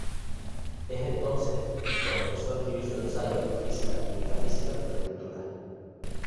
Es entonces cuando empezó a escribir su ensayo "Física y Metafísica de la pintura".